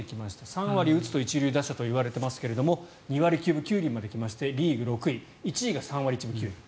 ３割打つと一流打者と言われていますが２割９分９厘まで来ましてリーグ６位１位が３割１分９厘。